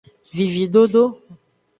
Vividodo.